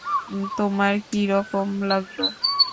তোমার কী রকম লাগল?